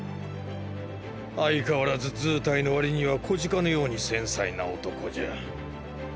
相変わらず図体の割には小鹿のように繊細な男じゃ。